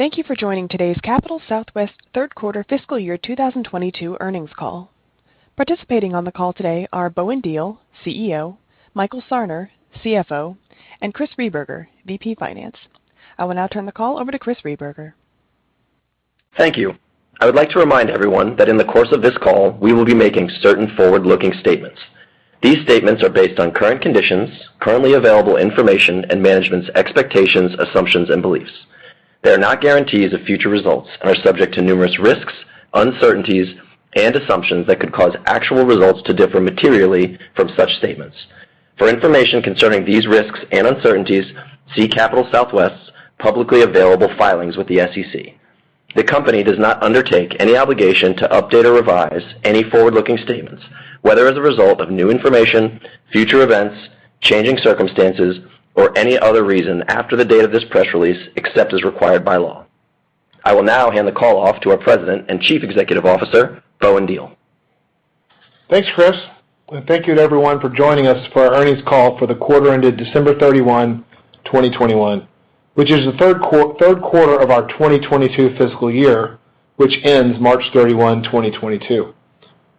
Thank you for joining today's Capital Southwest Q3 fiscal year 2022 earnings call. Participating on the call today are Bowen Diehl, CEO, Michael Sarner, CFO, and Chris Rehberger, VP Finance. I will now turn the call over to Chris Rehberger. Thank you. I would like to remind everyone that in the course of this call, we will be making certain forward-looking statements. These statements are based on current conditions, currently available information, and management's expectations, assumptions, and beliefs. They are not guarantees of future results and are subject to numerous risks, uncertainties, and assumptions that could cause actual results to differ materially from such statements. For information concerning these risks and uncertainties, see Capital Southwest's publicly available filings with the SEC. The company does not undertake any obligation to update or revise any forward-looking statements, whether as a result of new information, future events, changing circumstances, or any other reason after the date of this press release, except as required by law. I will now hand the call off to our President and Chief Executive Officer, Bowen Diehl. Thanks, Chris, and thank you to everyone for joining us for our earnings call for the quarter ended December 31, 2021, which is the Q3 of our 2022 fiscal year, which ends March 31, 2022.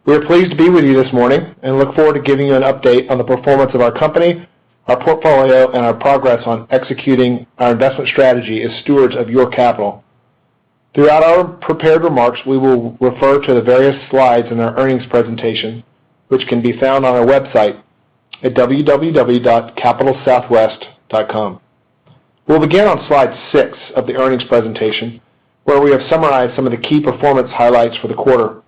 We are pleased to be with you this morning and look forward to giving you an update on the performance of our company, our portfolio, and our progress on executing our investment strategy as stewards of your capital. Throughout our prepared remarks, we will refer to the various slides in our earnings presentation, which can be found on our website at www.capitalsouthwest.com. We'll begin on slide 6 of the earnings presentation, where we have summarized some of the key performance highlights for the quarter.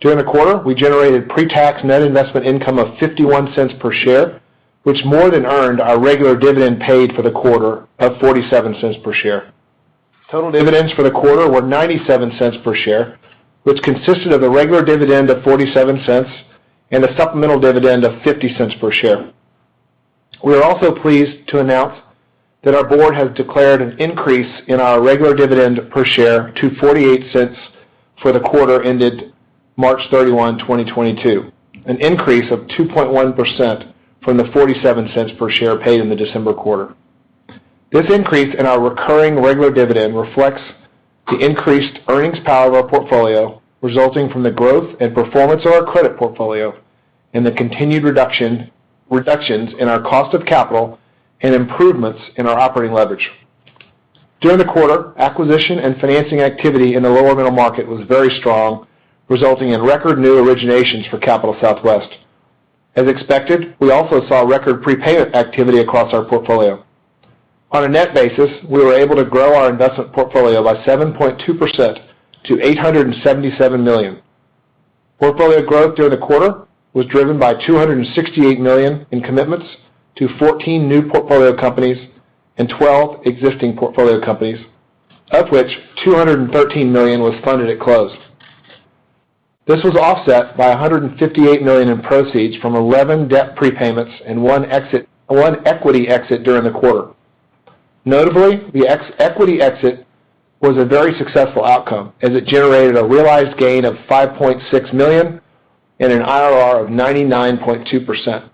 During the quarter, we generated pre-tax net investment income of $0.51 per share, which more than earned our regular dividend paid for the quarter of $0.47 per share. Total dividends for the quarter were $0.97 per share, which consisted of a regular dividend of $0.47 and a supplemental dividend of $0.50 per share. We are also pleased to announce that our board has declared an increase in our regular dividend per share to $0.48 for the quarter ended March 31, 2022, an increase of 2.1% from the $0.47 per share paid in the December quarter. This increase in our recurring regular dividend reflects the increased earnings power of our portfolio, resulting from the growth and performance of our credit portfolio and the continued reductions in our cost of capital and improvements in our operating leverage. During the quarter, acquisition and financing activity in the lower middle market was very strong, resulting in record new originations for Capital Southwest. As expected, we also saw record prepayment activity across our portfolio. On a net basis, we were able to grow our investment portfolio by 7.2% to $877 million. Portfolio growth during the quarter was driven by $268 million in commitments to 14 new portfolio companies and 12 existing portfolio companies, of which $213 million was funded at close. This was offset by $158 million in proceeds from 11 debt prepayments and one equity exit during the quarter. Notably, the equity exit was a very successful outcome as it generated a realized gain of $5.6 million and an IRR of 99.2%.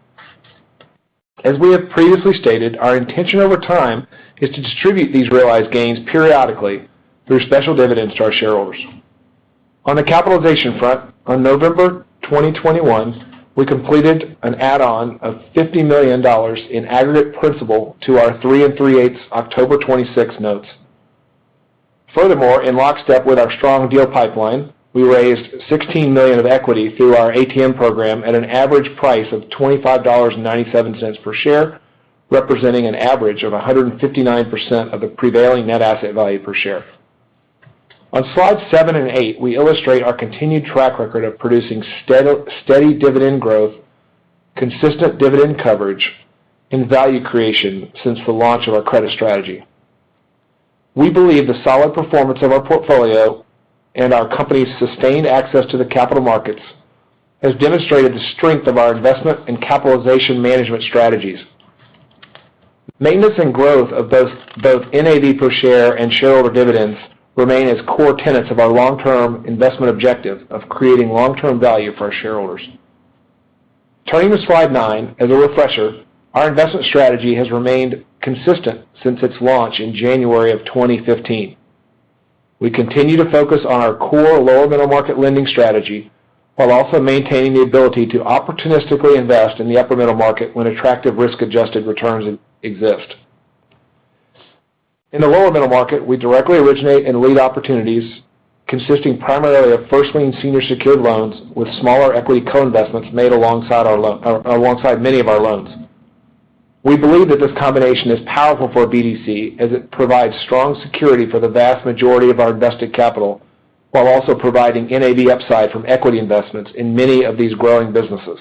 As we have previously stated, our intention over time is to distribute these realized gains periodically through special dividends to our shareholders. On the capitalization front, on November 2021, we completed an add-on of $50 million in aggregate principal to our 3 3/8 October 2026 notes. Furthermore, in lockstep with our strong deal pipeline, we raised $16 million of equity through our ATM program at an average price of $25.97 per share, representing an average of 159% of the prevailing net asset value per share. On slides 7 and 8, we illustrate our continued track record of producing steady dividend growth, consistent dividend coverage, and value creation since the launch of our credit strategy. We believe the solid performance of our portfolio and our company's sustained access to the capital markets has demonstrated the strength of our investment and capitalization management strategies. Maintenance and growth of both NAV per share and shareholder dividends remain as core tenets of our long-term investment objective of creating long-term value for our shareholders. Turning to slide 9, as a refresher, our investment strategy has remained consistent since its launch in January of 2015. We continue to focus on our core lower middle-market lending strategy while also maintaining the ability to opportunistically invest in the upper middle market when attractive risk-adjusted returns exist. In the lower middle market, we directly originate and lead opportunities consisting primarily of first lien senior secured loans with smaller equity co-investments made alongside many of our loans. We believe that this combination is powerful for a BDC as it provides strong security for the vast majority of our invested capital, while also providing NAV upside from equity investments in many of these growing businesses.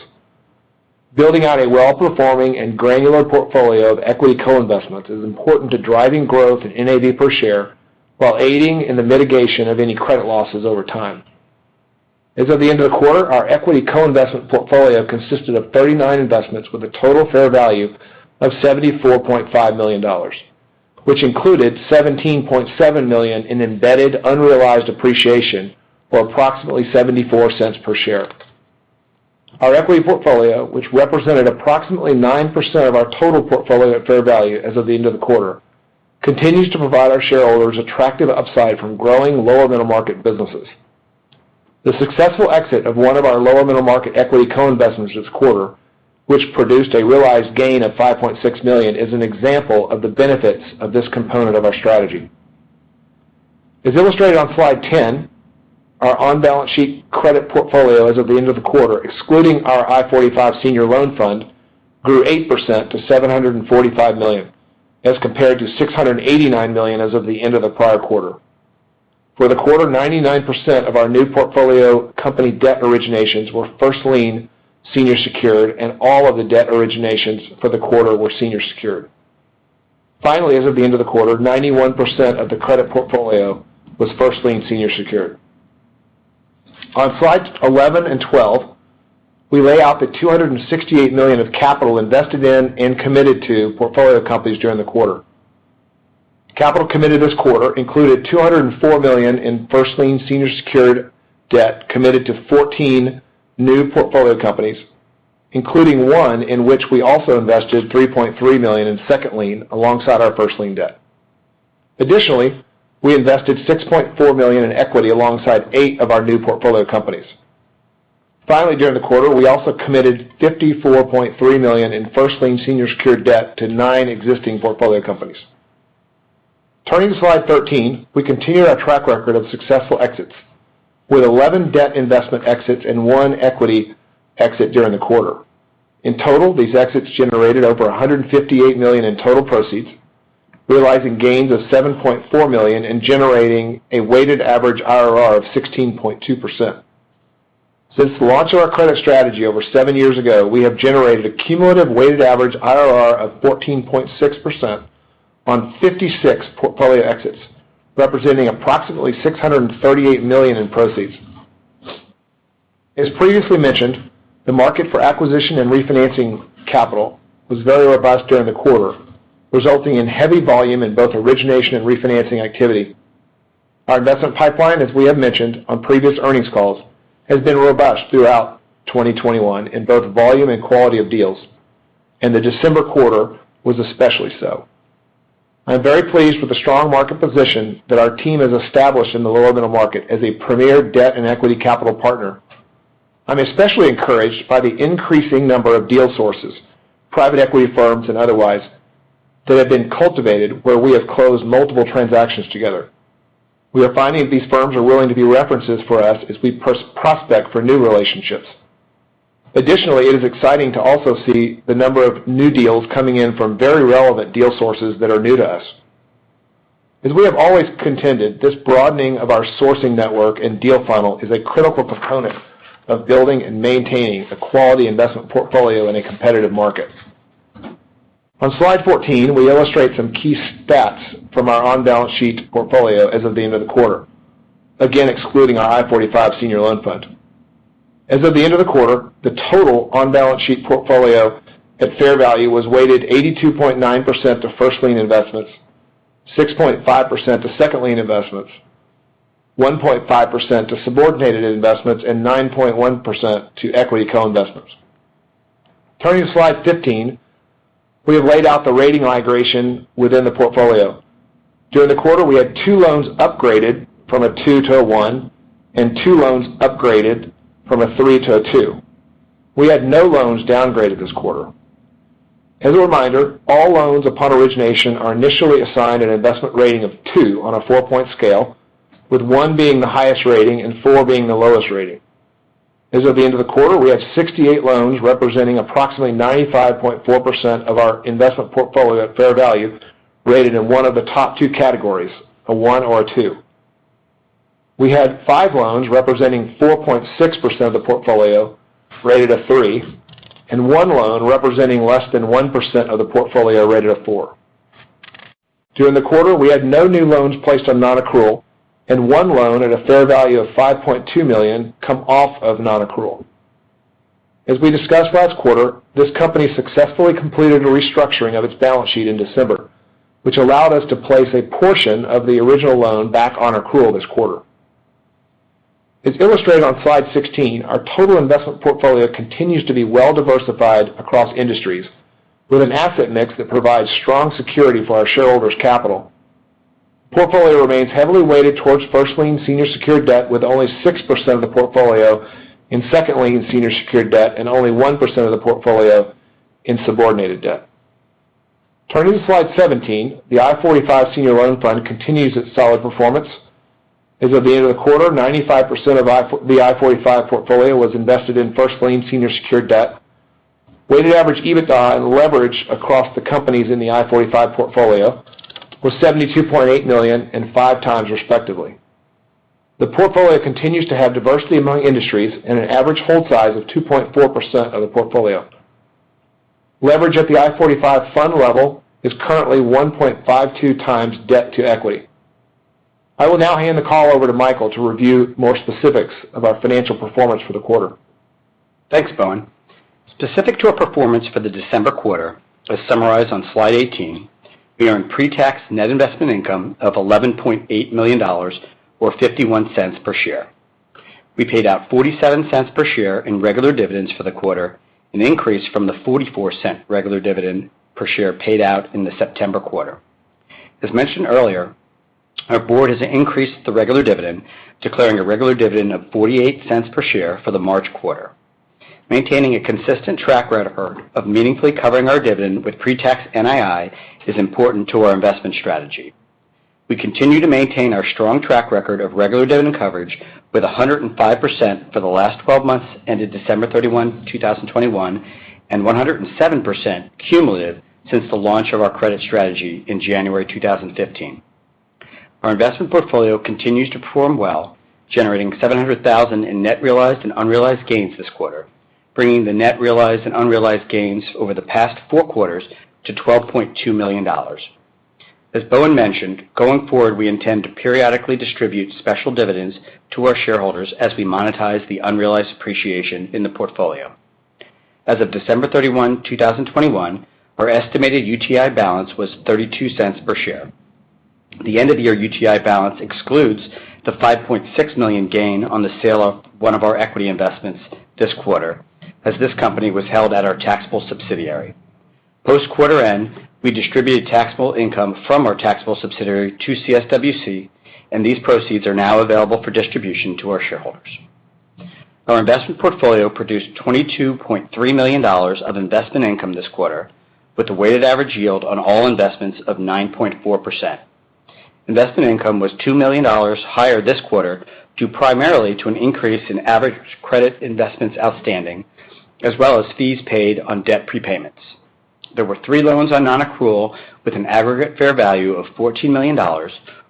Building out a well-performing and granular portfolio of equity co-investments is important to driving growth in NAV per share while aiding in the mitigation of any credit losses over time. As of the end of the quarter, our equity co-investment portfolio consisted of 39 investments with a total fair value of $74.5 million, which included $17.7 million in embedded unrealized appreciation, or approximately $0.74 per share. Our equity portfolio, which represented approximately 9% of our total portfolio at fair value as of the end of the quarter, continues to provide our shareholders attractive upside from growing lower middle-market businesses. The successful exit of one of our lower middle market equity co-investments this quarter, which produced a realized gain of $5.6 million, is an example of the benefits of this component of our strategy. As illustrated on slide 10, our on-balance-sheet credit portfolio as of the end of the quarter, excluding our I-45 Senior Loan Fund, grew 8% to $745 million, as compared to $689 million as of the end of the prior quarter. For the quarter, 99% of our new portfolio company debt originations were first lien senior secured, and all of the debt originations for the quarter were senior secured. Finally, as of the end of the quarter, 91% of the credit portfolio was first lien senior secured. On slides 11 and 12, we lay out $268 million of capital invested in and committed to portfolio companies during the quarter. Capital committed this quarter included $204 million in first-lien senior secured debt committed to 14 new portfolio companies, including one in which we also invested $3.3 million in second lien alongside our first lien debt. Additionally, we invested $6.4 million in equity alongside 8 of our new portfolio companies. Finally, during the quarter, we also committed $54.3 million in first-lien senior secured debt to 9 existing portfolio companies. Turning to slide 13, we continue our track record of successful exits with 11 debt investment exits and one equity exit during the quarter. In total, these exits generated over $158 million in total proceeds, realizing gains of $7.4 million and generating a weighted average IRR of 16.2%. Since the launch of our credit strategy over seven years ago, we have generated a cumulative weighted average IRR of 14.6% on 56 portfolio exits, representing approximately $638 million in proceeds. As previously mentioned, the market for acquisition and refinancing capital was very robust during the quarter, resulting in heavy volume in both origination and refinancing activity. Our investment pipeline, as we have mentioned on previous earnings calls, has been robust throughout 2021 in both volume and quality of deals, and the December quarter was especially so. I am very pleased with the strong market position that our team has established in the lower middle market as a premier debt and equity capital partner. I'm especially encouraged by the increasing number of deal sources, private equity firms and otherwise, that have been cultivated where we have closed multiple transactions together. We are finding that these firms are willing to be references for us as we prospect for new relationships. Additionally, it is exciting to also see the number of new deals coming in from very relevant deal sources that are new to us. As we have always contended, this broadening of our sourcing network and deal funnel is a critical component of building and maintaining a quality investment portfolio in a competitive market. On slide 14, we illustrate some key stats from our on-balance-sheet portfolio as of the end of the quarter, again excluding our I-45 Senior Loan Fund. As of the end of the quarter, the total on-balance-sheet portfolio at fair value was weighted 82.9% to first-lien investments, 6.5% to second-lien investments, 1.5% to subordinated investments, and 9.1% to equity co-investments. Turning to slide 15, we have laid out the rating migration within the portfolio. During the quarter, we had two loans upgraded from a two to a one and two loans upgraded from a three to a two. We had no loans downgraded this quarter. As a reminder, all loans upon origination are initially assigned an investment rating of two on a 4-point scale, with one being the highest rating and four being the lowest rating. As of the end of the quarter, we had 68 loans, representing approximately 95.4% of our investment portfolio at fair value, rated in one of the top two categories, a 1 or a 2. We had 5 loans representing 4.6% of the portfolio rated a 3, and one loan representing less than 1% of the portfolio rated a four. During the quarter, we had no new loans placed on non-accrual and one loan at a fair value of $5.2 million come off of non-accrual. As we discussed last quarter, this company successfully completed a restructuring of its balance sheet in December, which allowed us to place a portion of the original loan back on accrual this quarter. As illustrated on slide 16, our total investment portfolio continues to be well diversified across industries with an asset mix that provides strong security for our shareholders' capital. Portfolio remains heavily weighted towards first-lien senior secured debt with only 6% of the portfolio in second lien senior secured debt and only 1% of the portfolio in subordinated debt. Turning to slide 17, the I-45 Senior Loan Fund continues its solid performance. As of the end of the quarter, 95% of the I-45 portfolio was invested in first-lien senior secured debt. Weighted average EBITDA and leverage across the companies in the I-45 portfolio was $72.8 million and 5x respectively. The portfolio continues to have diversity among industries and an average hold size of 2.4% of the portfolio. Leverage at the I-45 fund level is currently 1.52x debt to equity. I will now hand the call over to Michael to review more specifics of our financial performance for the quarter. Thanks, Bowen. Specific to our performance for the December quarter, as summarized on slide 18, we earned pre-tax net investment income of $11.8 million, or $0.51 per share. We paid out $0.47 per share in regular dividends for the quarter, an increase from the $0.44 regular dividend per share paid out in the September quarter. As mentioned earlier, our board has increased the regular dividend, declaring a regular dividend of $0.48 per share for the March quarter. Maintaining a consistent track record of meaningfully covering our dividend with pre-tax NII is important to our investment strategy. We continue to maintain our strong track record of regular dividend coverage with 105% for the last 12 months, ended December 31, 2021, and 107% cumulative since the launch of our credit strategy in January 2015. Our investment portfolio continues to perform well, generating $700,000 in net realized and unrealized gains this quarter, bringing the net realized and unrealized gains over the past Q4 to $12.2 million. As Bowen mentioned, going forward, we intend to periodically distribute special dividends to our shareholders as we monetize the unrealized appreciation in the portfolio. As of December 31, 2021, our estimated UTI balance was $0.32 per share. The end of year UTI balance excludes the $5.6 million gain on the sale of one of our equity investments this quarter, as this company was held at our taxable subsidiary. Post quarter end, we distributed taxable income from our taxable subsidiary to CSWC, and these proceeds are now available for distribution to our shareholders. Our investment portfolio produced $22.3 million of investment income this quarter, with a weighted average yield on all investments of 9.4%. Investment income was $2 million higher this quarter, due primarily to an increase in average credit investments outstanding, as well as fees paid on debt prepayments. There were three loans on non-accrual with an aggregate fair value of $14 million, or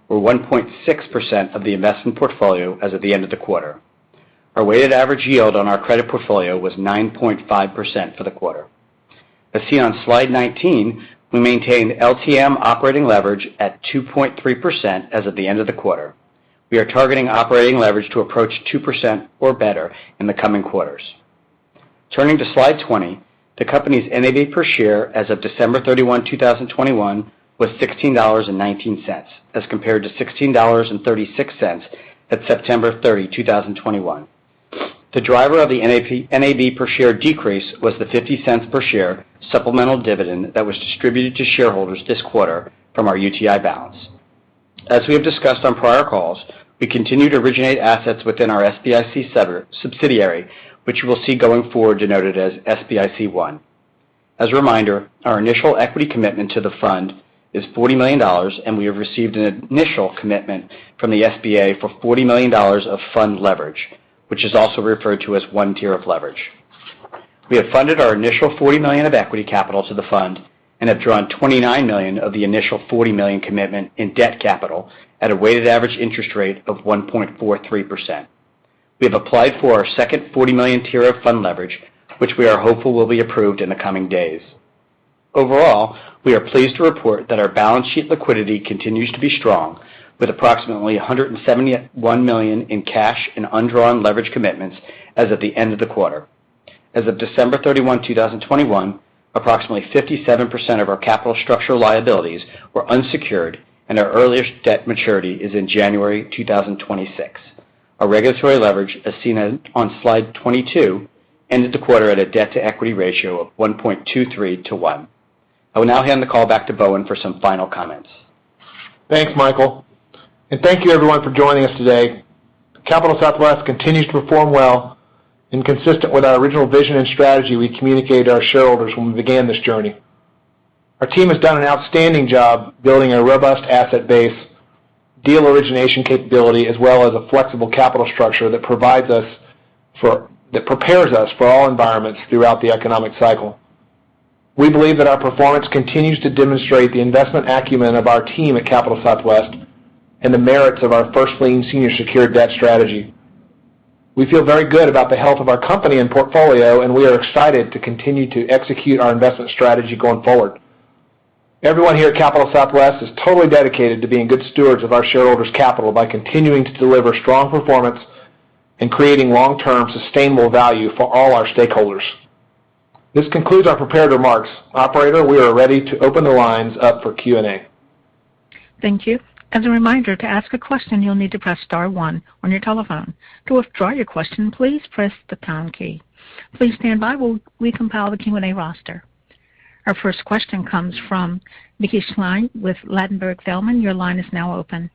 1.6% of the investment portfolio as of the end of the quarter. Our weighted average yield on our credit portfolio was 9.5% for the quarter. As seen on slide 19, we maintained LTM operating leverage at 2.3% as of the end of the quarter. We are targeting operating leverage to approach 2% or better in the coming quarters. Turning to slide 20, the company's NAV per share as of December 31, 2021 was $16.19, as compared to $16.36 at September 30, 2021. The driver of the NAV per share decrease was the $0.50 per share supplemental dividend that was distributed to shareholders this quarter from our UTI balance. As we have discussed on prior calls, we continue to originate assets within our SBIC subsidiary, which you will see going forward denoted as SBIC I. As a reminder, our initial equity commitment to the fund is $40 million, and we have received an initial commitment from the SBA for $40 million of fund leverage, which is also referred to as one tier of leverage. We have funded our initial $40 million of equity capital to the fund and have drawn $29 million of the initial $40 million commitment in debt capital at a weighted average interest rate of 1.43%. We have applied for our second $40 million tier of fund leverage, which we are hopeful will be approved in the coming days. Overall, we are pleased to report that our balance sheet liquidity continues to be strong with approximately $171 million in cash and undrawn leverage commitments as of the end of the quarter. As of December 31, 2021, approximately 57% of our capital structural liabilities were unsecured and our earliest debt maturity is in January 2026. Our regulatory leverage, as seen on slide 22, ended the quarter at a debt-to-equity ratio of 1.23 to 1. I will now hand the call back to Bowen for some final comments. Thanks, Michael, and thank you everyone for joining us today. Capital Southwest continues to perform well and consistent with our original vision and strategy we communicated to our shareholders when we began this journey. Our team has done an outstanding job building a robust asset base, deal origination capability, as well as a flexible capital structure that prepares us for all environments throughout the economic cycle. We believe that our performance continues to demonstrate the investment acumen of our team at Capital Southwest and the merits of our first lien senior secured debt strategy. We feel very good about the health of our company and portfolio, and we are excited to continue to execute our investment strategy going forward. Everyone here at Capital Southwest is totally dedicated to being good stewards of our shareholders' capital by continuing to deliver strong performance and creating long-term sustainable value for all our stakeholders. This concludes our prepared remarks. Operator, we are ready to open the lines up for Q&A. Thank you. As a reminder, to ask a question, you'll need to press star one on your telephone. To withdraw your question, please press the pound key. Please stand by while we compile the Q&A roster. Our first question comes from Mickey Schleien with Ladenburg Thalmann. Your line is now open.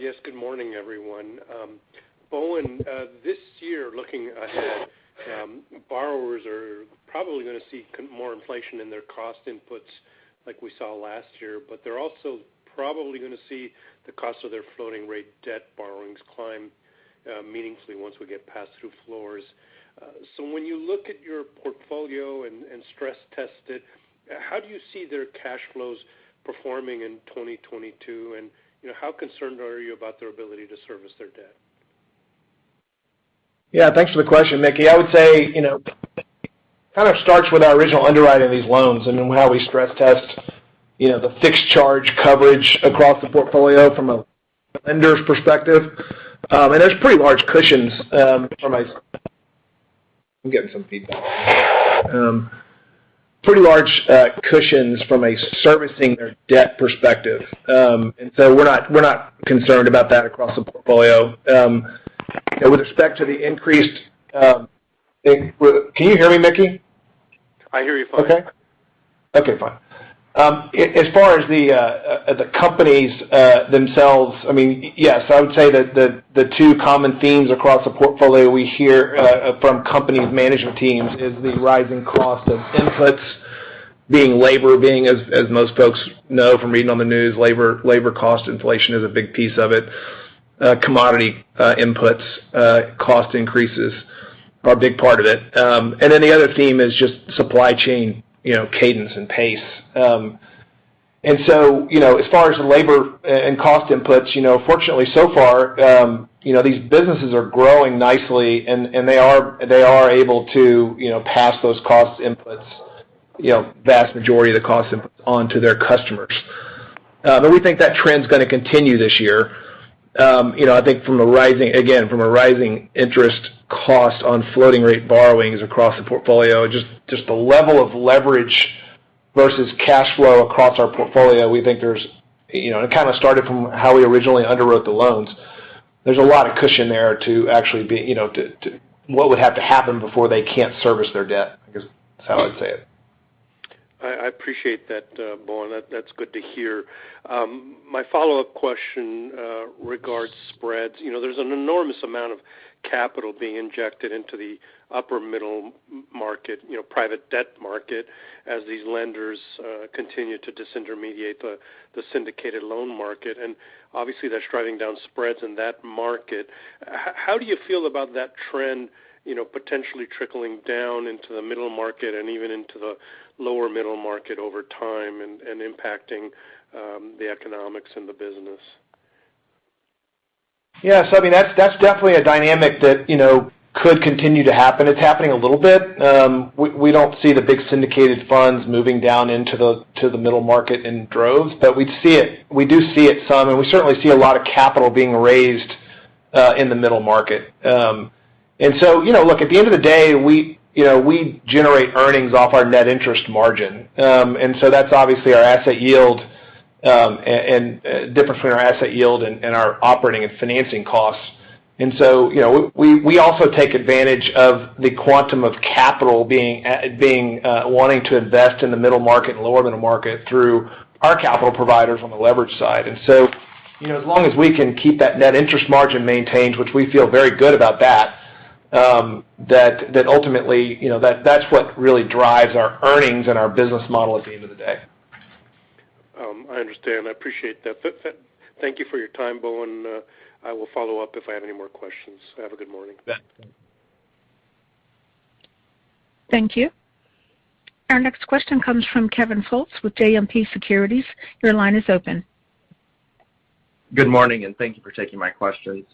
Yes, good morning, everyone. Bowen Diehl, this year looking ahead, borrowers are probably gonna see more inflation in their cost inputs like we saw last year, but they're also probably gonna see the cost of their floating rate debt borrowings climb meaningfully once we get past the floors. So when you look at your portfolio and stress test it, how do you see their cash flows performing in 2022? You know, how concerned are you about their ability to service their debt? Yeah, thanks for the question, Mickey. I would say, you know, kind of starts with our original underwriting of these loans and how we stress test, you know, the fixed charge coverage across the portfolio from a lender's perspective. There's pretty large cushions from a debt servicing perspective. We're not concerned about that across the portfolio. With respect to the increased, Can you hear me, Mickey? I hear you fine. Okay. Okay, fine. As far as the companies themselves, I mean, yes, I would say that the two common themes across the portfolio we hear from companies' management teams is the rising cost of inputs, being labor, as most folks know from reading on the news, labor cost inflation is a big piece of it. Commodity inputs cost increases are a big part of it. And then the other theme is just supply chain, you know, cadence and pace. And so, you know, as far as labor and cost inputs, you know, fortunately so far, you know, these businesses are growing nicely and they are able to, you know, pass those cost inputs, you know, vast majority of the costs onto their customers. We think that trend's gonna continue this year. You know, I think from a rising interest cost on floating rate borrowings across the portfolio, just the level of leverage versus cash flow across our portfolio, we think there's, you know, and it kind of started from how we originally underwrote the loans. There's a lot of cushion there to actually be, you know, to what would have to happen before they can't service their debt, I guess, is how I'd say it. I appreciate that, Bowen. That's good to hear. My follow-up question regards spreads. You know, there's an enormous amount of capital being injected into the upper middle market, you know, private debt market as these lenders continue to disintermediate the syndicated loan market. Obviously, that's driving down spreads in that market. How do you feel about that trend, you know, potentially trickling down into the middle market and even into the lower middle market over time and impacting the economics and the business? Yeah. I mean, that's definitely a dynamic that, you know, could continue to happen. It's happening a little bit. We don't see the big syndicated funds moving down into the middle market in droves. But we do see it some, and we certainly see a lot of capital being raised in the middle market. You know, look, at the end of the day, we you know, we generate earnings off our net interest margin. That's obviously our asset yield, and difference between our asset yield and our operating and financing costs. You know, we also take advantage of the quantum of capital being wanting to invest in the middle market and lower middle market through our capital providers on the leverage side. You know, as long as we can keep that net interest margin maintained, which we feel very good about that ultimately, you know, that's what really drives our earnings and our business model at the end of the day. I understand. I appreciate that. Thank you for your time, Bowen. I will follow up if I have any more questions. Have a good morning. Yeah. Thank you. Our next question comes from Kevin Fultz with JMP Securities. Your line is open. Good morning, and thank you for taking my questions.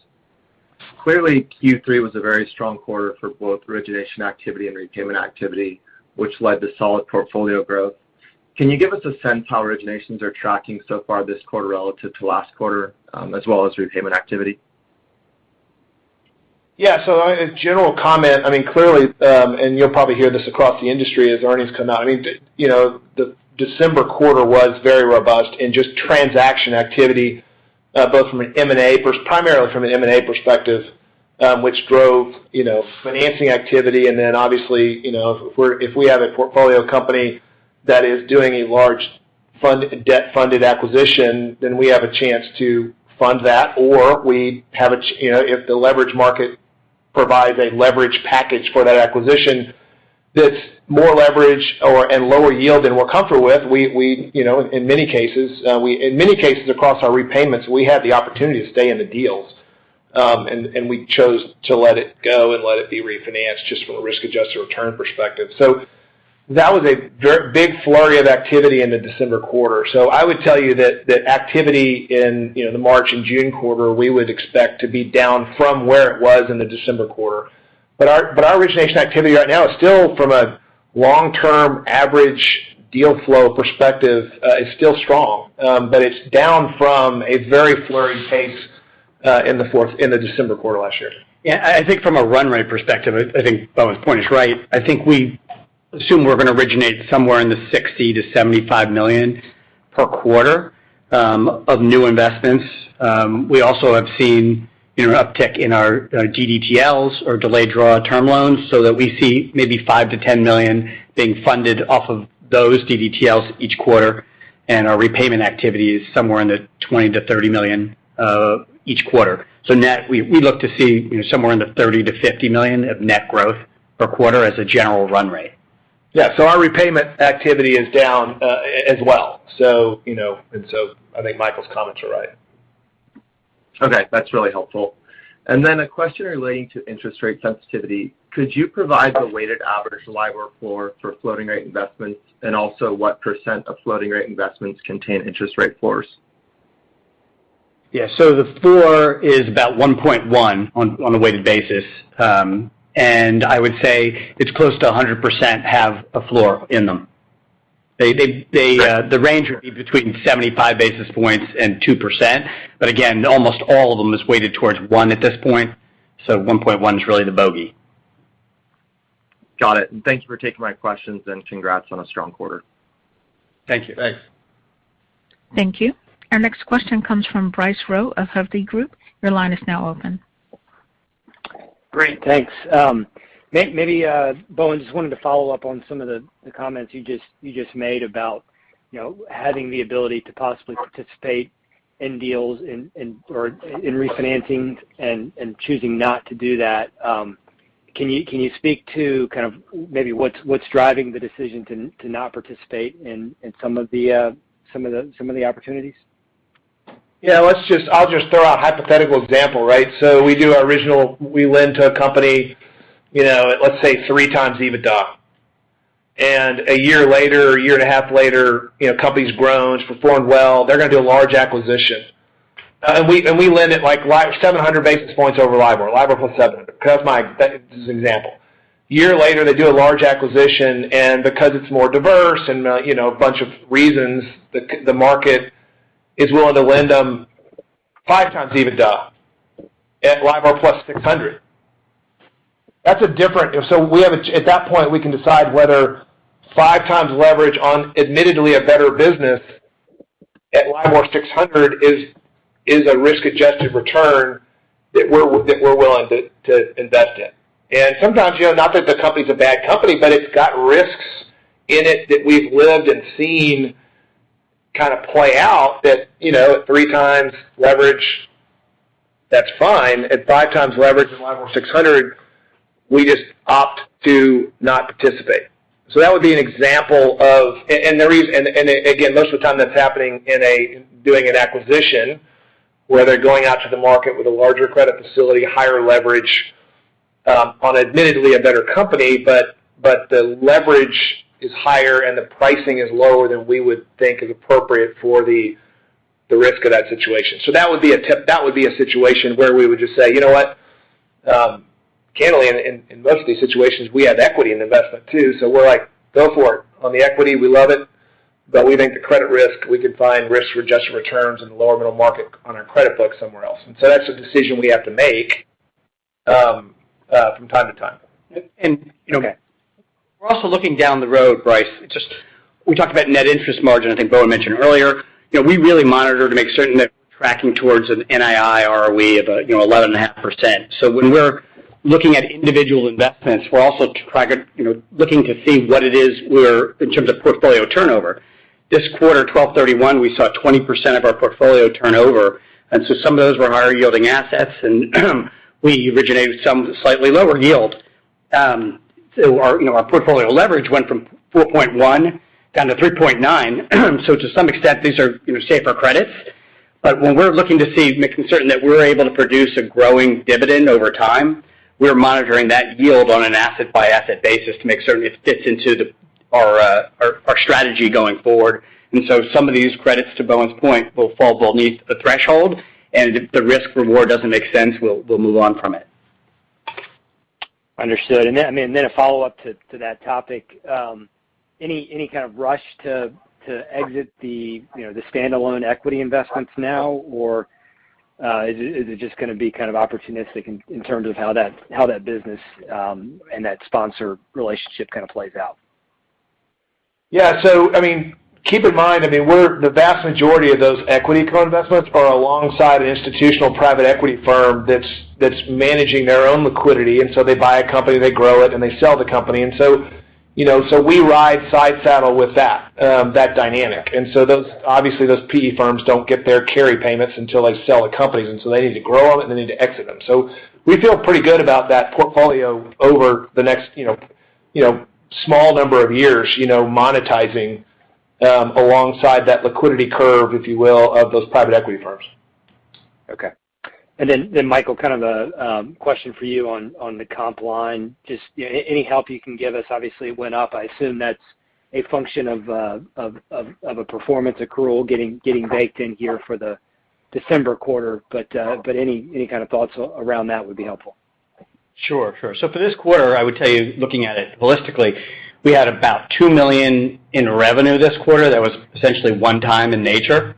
Clearly, Q3 was a very strong quarter for both origination activity and repayment activity, which led to solid portfolio growth. Can you give us a sense of how originations are tracking so far this quarter relative to last quarter, as well as repayment activity? Yeah. I mean, a general comment, I mean, clearly, and you'll probably hear this across the industry as earnings come out. I mean, you know, the December quarter was very robust in just transaction activity, both from an M&A primarily from an M&A perspective, which drove, you know, financing activity. Obviously, you know, if we have a portfolio company that is doing a large debt-funded acquisition, then we have a chance to fund that, or you know, if the leverage market provides a leverage package for that acquisition that's more leverage or, and lower yield than we're comfortable with, we you know, in many cases we in many cases across our repayments, we had the opportunity to stay in the deals, and we chose to let it go and let it be refinanced just from a risk-adjusted return perspective. That was a big flurry of activity in the December quarter. I would tell you that that activity in, you know, the March and June quarter, we would expect to be down from where it was in the December quarter. Our origination activity right now is still from a long-term average deal flow perspective is still strong. It's down from a very flurried pace in the December quarter last year. Yeah. I think from a run rate perspective, I think Bowen's point is right. I think we assume we're gonna originate somewhere in the $60 million-$75 million per quarter of new investments. We also have seen, you know, uptick in our DDTLs or delayed draw term loans, so that we see maybe $5 million-$10 million being funded off of those DDTLs each quarter, and our repayment activity is somewhere in the $20 million-$30 million each quarter. Net, we look to see, you know, somewhere in the $30 million-$50 million of net growth per quarter as a general run rate. Our repayment activity is down, as well. You know, I think Michael's comments are right. Okay. That's really helpful. a question relating to interest rate sensitivity. Could you provide the weighted average LIBOR floor for floating rate investments, and also what percent of floating rate investments contain interest rate floors? Yeah. The floor is about 1.1 on a weighted basis. I would say it's close to 100% have a floor in them. The range would be between 75 basis points and 2%. Again, almost all of them is weighted towards one at this point. 1.1 is really the bogey. Got it. Thank you for taking my questions, and congrats on a strong quarter. Thank you. Thanks. Thank you. Our next question comes from Bryce Rowe of Hovde Group. Your line is now open. Great. Thanks. Bowen, just wanted to follow up on some of the comments you just made about, you know, having the ability to possibly participate in deals or refinancings and choosing not to do that. Can you speak to kind of maybe what's driving the decision to not participate in some of the opportunities? Yeah. Let's just throw out a hypothetical example, right? We lend to a company, you know, let's say 3x EBITDA. A year later, a year and a half later, you know, company's grown, it's performed well. They're gonna do a large acquisition. And we lend it like 700 basis points over LIBOR plus 700. That is an example. A year later, they do a large acquisition, and because it's more diverse and, you know, a bunch of reasons, the market is willing to lend them 5x EBITDA at LIBOR plus 600. That's a different. At that point, we can decide whether 5x leverage on admittedly a better business at LIBOR 600 is a risk-adjusted return that we're willing to invest in. Sometimes, you know, not that the company's a bad company, but it's got risks in it that we've lived and seen kinda play out that, you know, at 3x leverage, that's fine. At 5x leverage and LIBOR 600, we just opt to not participate. That would be an example of. The reason again, most of the time that's happening doing an acquisition where they're going out to the market with a larger credit facility, higher leverage, on admittedly a better company, but the leverage is higher and the pricing is lower than we would think is appropriate for the risk of that situation. That would be a situation where we would just say, You know what? Candidly, in most of these situations, we have equity investment too, so we're like, Go for it. On the equity, we love it, but we think the credit risk, we could find risk-adjusted returns in the lower middle market on our credit book somewhere else. That's a decision we have to make from time to time. You know. Okay. We're also looking down the road, Bryce. It's just we talked about net interest margin, I think Bowen mentioned earlier. You know, we really monitor to make certain that we're tracking towards an NII ROE of, you know, 11.5%. When we're looking at individual investments, we're also you know, looking to see what it is we're in terms of portfolio turnover. This quarter, December 31, we saw 20% of our portfolio turnover, and so some of those were higher yielding assets, and we originated some slightly lower yield. Our you know, portfolio leverage went from 4.1 down to 3.9. To some extent, these are, you know, safer credits. When we're looking to see, making certain that we're able to produce a growing dividend over time, we're monitoring that yield on an asset-by-asset basis to make certain it fits into our strategy going forward. Some of these credits, to Bowen's point, will fall beneath the threshold, and if the risk reward doesn't make sense, we'll move on from it. Understood. Then, I mean, a follow-up to that topic. Any kind of rush to exit the, you know, the standalone equity investments now, or is it just gonna be kind of opportunistic in terms of how that business and that sponsor relationship kind of plays out? I mean, keep in mind, the vast majority of those equity co-investments are alongside an institutional private equity firm that's managing their own liquidity. They buy a company, they grow it, and they sell the company. You know, so we ride sidesaddle with that dynamic. Obviously, those PE firms don't get their carry payments until they sell the companies, and so they need to grow them, and they need to exit them. We feel pretty good about that portfolio over the next, you know, small number of years, you know, monetizing alongside that liquidity curve, if you will, of those private equity firms. Okay. Michael, kind of a question for you on the comp line. Just, you know, any help you can give us. Obviously, it went up. I assume that's a function of a performance accrual getting baked in here for the December quarter. Any kind of thoughts around that would be helpful. Sure. For this quarter, I would tell you, looking at it holistically, we had about $2 million in revenue this quarter. That was essentially one-time in nature.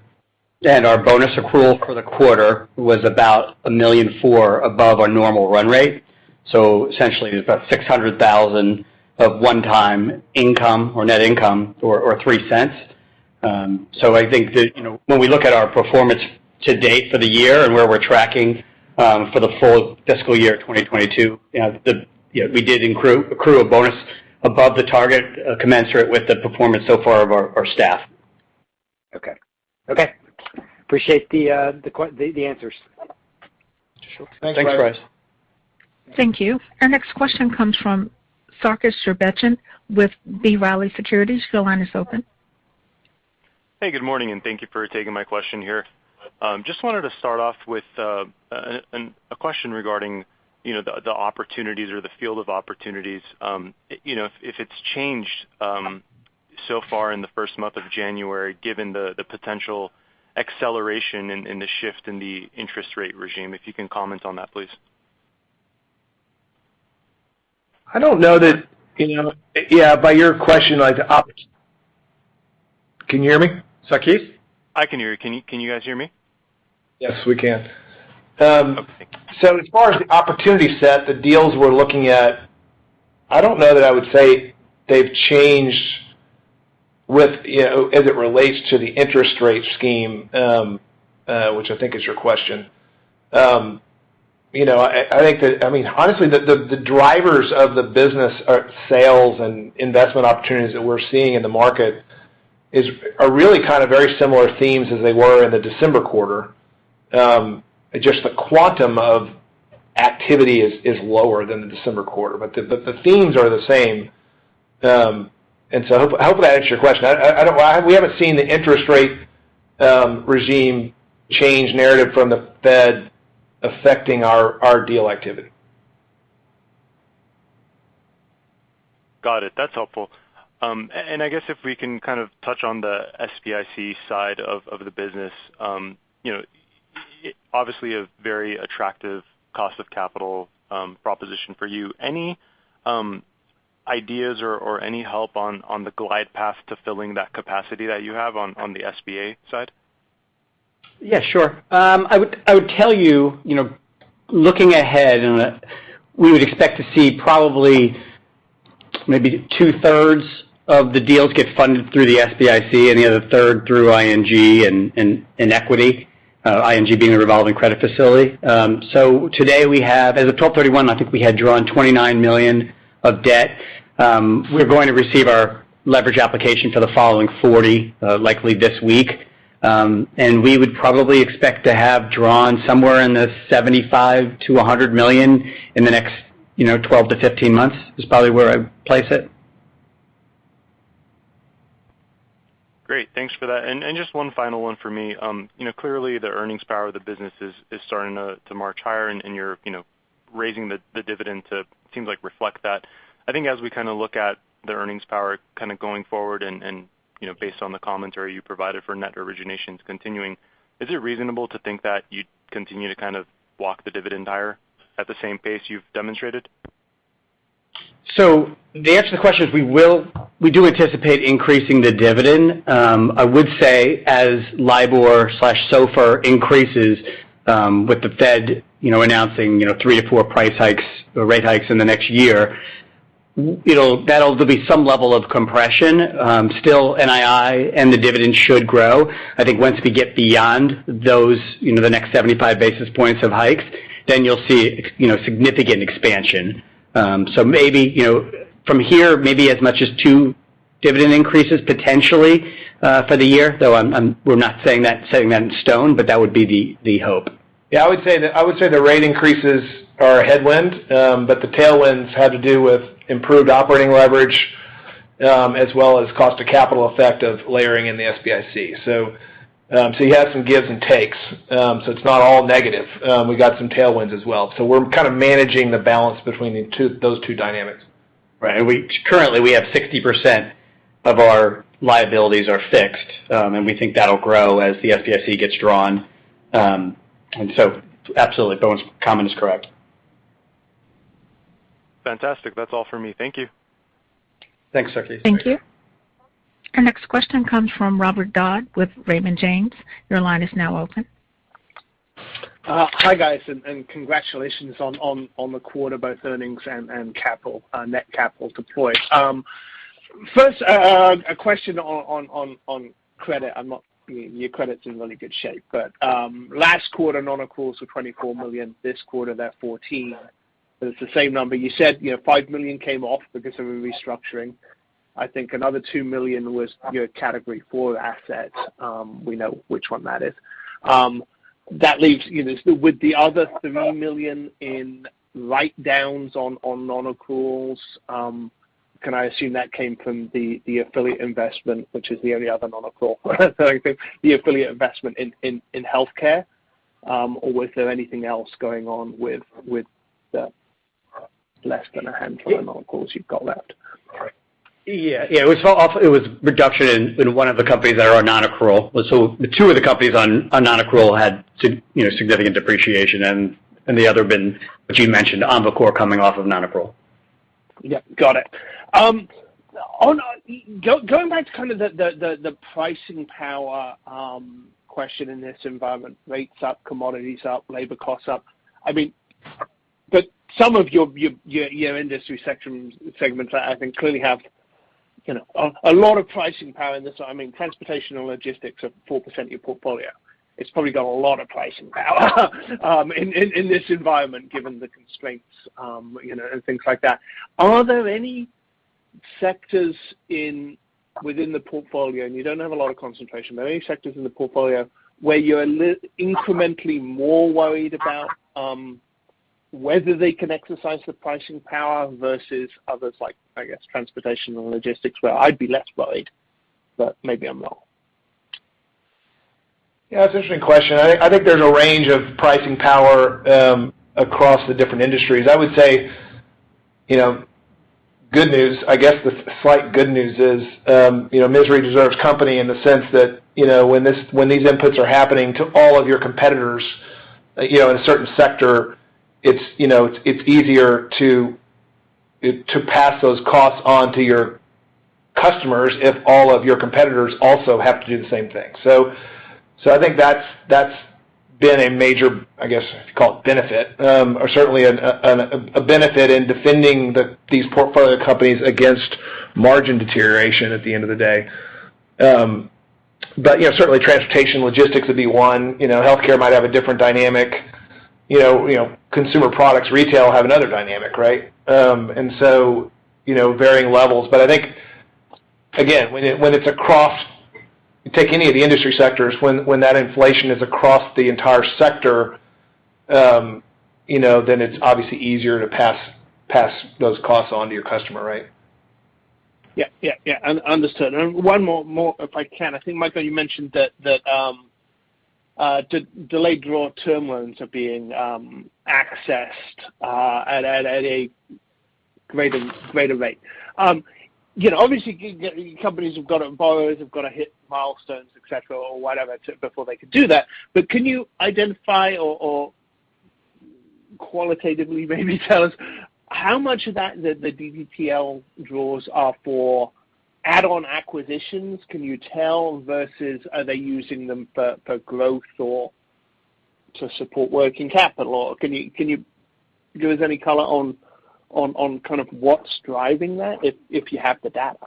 Our bonus accrual for the quarter was about $1.4 million above our normal run rate. Essentially, it was about $600,000 of one-time income or net income or $0.03. I think that, you know, when we look at our performance to date for the year and where we're tracking, for the full fiscal year 2022, you know, we did accrue a bonus above the target, commensurate with the performance so far of our staff. Okay. Appreciate the answers. Sure. Thanks, Bryce. Thank you. Our next question comes from Sarkis Sherbetchyan with B. Riley Securities. Your line is open. Hey, good morning, and thank you for taking my question here. Just wanted to start off with a question regarding, you know, the opportunities or the field of opportunities, you know, if it's changed so far in the first month of January, given the potential acceleration in the shift in the interest rate regime. If you can comment on that, please. I don't know that, you know. Yeah, by your question, like. Can you hear me, Sarkis? I can hear you. Can you guys hear me? Yes, we can. Okay. As far as the opportunity set, the deals we're looking at, I don't know that I would say they've changed with, you know, as it relates to the interest rate regime, which I think is your question. You know, I mean, honestly, the drivers of the business are sales and investment opportunities that we're seeing in the market are really kind of very similar themes as they were in the December quarter. Just the quantum of activity is lower than the December quarter, but the themes are the same. Hopefully that answers your question. We haven't seen the interest rate regime change narrative from the Fed affecting our deal activity. Got it. That's helpful. I guess if we can kind of touch on the SBIC side of the business, you know, obviously a very attractive cost of capital proposition for you. Any ideas or any help on the glide path to filling that capacity that you have on the SBA side? Yeah, sure. I would tell you know, looking ahead that we would expect to see probably maybe 2/3 of the deals get funded through the SBIC and the other third through ING and equity, ING being a revolving credit facility. Today we have as of December 31, I think we had drawn $29 million of debt. We're going to receive our leverage application for the following $40, likely this week. We would probably expect to have drawn somewhere in the $75 million-$100 million in the next 12-15 months, is probably where I'd place it. Great. Thanks for that. Just one final one for me. You know, clearly the earnings power of the business is starting to march higher and you're you know raising the dividend too seems like to reflect that. I think as we kind of look at the earnings power kind of going forward and you know based on the commentary you provided for net originations continuing, is it reasonable to think that you'd continue to kind of walk the dividend higher at the same pace you've demonstrated? The answer to the question is we will. We do anticipate increasing the dividend. I would say as LIBOR/SOFR increases, with the Fed, you know, announcing, you know, three-four price hikes or rate hikes in the next year, that'll be some level of compression. Still, NII and the dividend should grow. I think once we get beyond those, you know, the next 75 basis points of hikes, then you'll see, you know, significant expansion. Maybe, you know, from here, maybe as much as two dividend increases potentially, for the year, though we're not saying that, setting that in stone, but that would be the hope. Yeah, I would say the rate increases are a headwind, but the tailwinds have to do with improved operating leverage, as well as cost of capital effect of layering in the SBIC. You have some gives and takes, so it's not all negative. We've got some tailwinds as well. We're kind of managing the balance between the two, those two dynamics. Right. Currently, we have 60% of our liabilities are fixed, and we think that'll grow as the SBIC gets drawn. Absolutely, Bowen's comment is correct. Fantastic. That's all for me. Thank you. Thanks, Sarkis. Thank you. Our next question comes from Robert Dodd with Raymond James. Your line is now open. Hi, guys, and congratulations on the quarter, both earnings and capital net capital deployed. First, a question on credit. I mean your credit's in really good shape. Last quarter, non-accruals were $24 million. This quarter, they're $14 million. It's the same number. You said, you know, $5 million came off because of a restructuring. I think another $2 million was your Category Four assets. We know which one that is. That leaves, you know, so with the other $3 million in write-downs on non-accruals, can I assume that came from the affiliate investment, which is the only other non-accrual in healthcare? Or was there anything else going on with the less than a handful of non-accruals you've got left? It was a reduction in one of the companies that are non-accrual. Two of the companies on non-accrual had, you know, significant depreciation and the other one, which you mentioned, Encore coming off of non-accrual. Yeah. Got it. Going back to kind of the pricing power question in this environment, rates up, commodities up, labor costs up. I mean, some of your industry segments I think clearly have, you know, a lot of pricing power in this. I mean, transportation and logistics are 4% of your portfolio. It's probably got a lot of pricing power in this environment, given the constraints, you know, and things like that. Are there any sectors within the portfolio? You don't have a lot of concentration, but any sectors in the portfolio where you're incrementally more worried about whether they can exercise the pricing power versus others like, I guess, transportation and logistics, where I'd be less worried, but maybe I'm wrong. Yeah. That's an interesting question. I think there's a range of pricing power across the different industries. I would say, you know, good news, I guess the slight good news is, you know, misery deserves company in the sense that, you know, when these inputs are happening to all of your competitors, you know, in a certain sector, it's easier to pass those costs on to your customers if all of your competitors also have to do the same thing. So I think that's been a major, I guess, you call it, benefit or certainly a benefit in defending these portfolio companies against margin deterioration at the end of the day. Yeah, certainly transportation logistics would be one. You know, healthcare might have a different dynamic. You know, consumer products, retail have another dynamic, right? You know, varying levels. I think, again, when it's across, you take any of the industry sectors, when that inflation is across the entire sector, you know, then it's obviously easier to pass those costs on to your customer, right? Yeah. Yeah, yeah. Understood. One more if I can. I think, Michael, you mentioned that delayed draw term loans are being accessed at a greater rate. You know, obviously borrowers have got to hit milestones, et cetera, or whatever before they can do that. But can you identify or qualitatively maybe tell us how much of that the DDTL draws are for add-on acquisitions, versus are they using them for growth or to support working capital? Or can you give us any color on kind of what's driving that if you have the data?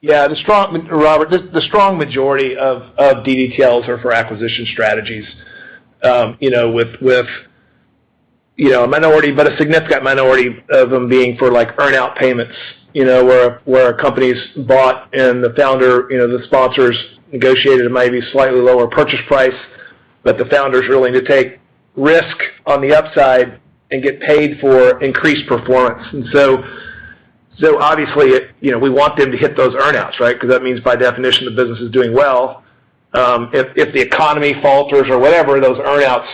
Yeah. Robert, the strong majority of DDTLs are for acquisition strategies, you know, with you know, a minority, but a significant minority of them being for like earn-out payments, you know, where a company's bought and the founder, you know, the sponsors negotiated maybe slightly lower purchase price, but the founder's willing to take risk on the upside and get paid for increased performance. Obviously, you know, we want them to hit those earn-outs, right? Because that means by definition, the business is doing well. If the economy falters or whatever, those earn-outs,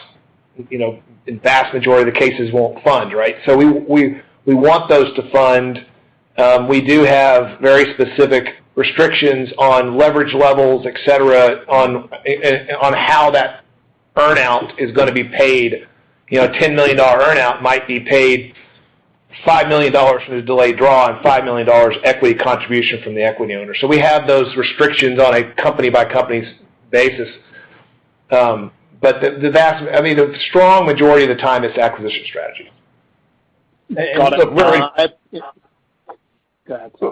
you know, in vast majority of the cases won't fund, right? We want those to fund. We do have very specific restrictions on leverage levels, et cetera, on how that earn-out is gonna be paid. You know, a $10 million earn-out might be paid $5 million from the delayed draw and $5 million equity contribution from the equity owner. We have those restrictions on a company-by-company basis. I mean, the strong majority of the time is acquisition strategy. And- Really. Go ahead.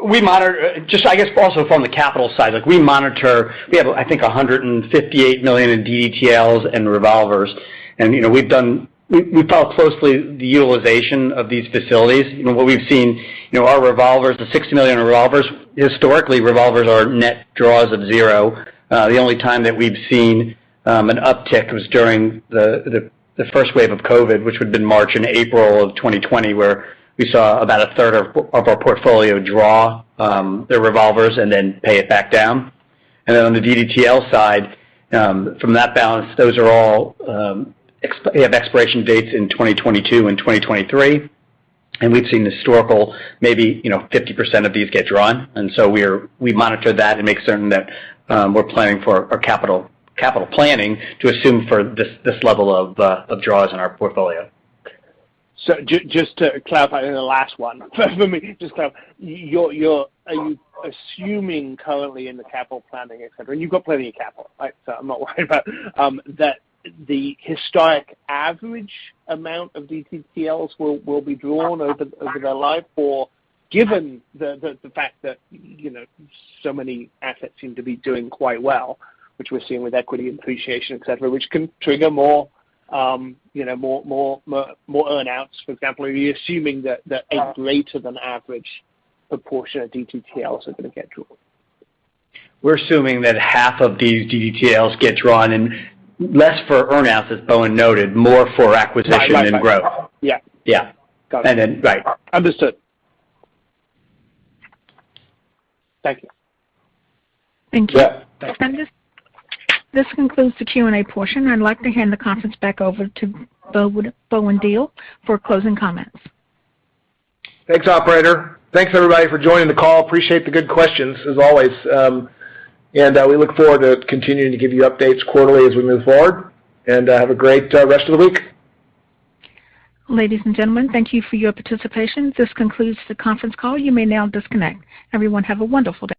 We monitor just, I guess, also from the capital side, like we monitor. We have, I think, $158 million in DDTLs and revolvers. You know, we follow closely the utilization of these facilities. You know, what we've seen, you know, our revolvers, the $60 million revolvers, historically revolvers are net draws of zero. The only time that we've seen an uptick was during the first wave of COVID, which would've been March and April of 2020, where we saw about a third of our portfolio draw their revolvers and then pay it back down. On the DDTL side, from that balance, those are all, they have expiration dates in 2022 and 2023. We've seen historical, maybe, you know, 50% of these get drawn. We monitor that and make certain that we're planning for our capital planning to assume for this level of draws in our portfolio. Just to clarify, and the last one. For me, just to clarify. Are you assuming currently in the capital planning, et cetera, and you've got plenty of capital, right? I'm not worried about that the historic average amount of DDTLs will be drawn over their life or given the fact that, you know, so many assets seem to be doing quite well, which we're seeing with equity appreciation, et cetera, which can trigger more, you know, more earn-outs, for example. Are you assuming that a greater than average proportion of DDTLs are gonna get drawn? We're assuming that half of these DDTLs get drawn and less for earn-outs, as Bowen noted, more for acquisition and growth. Right. Yeah. Yeah. Got it. Right. Understood. Thank you. Yeah. This concludes the Q&A portion. I'd like to hand the conference back over to Bowen Diehl for closing comments. Thanks, operator. Thanks everybody for joining the call. Appreciate the good questions as always. We look forward to continuing to give you updates quarterly as we move forward. Have a great rest of the week. Ladies and gentlemen, thank you for your participation. This concludes the conference call. You may now disconnect. Everyone, have a wonderful day.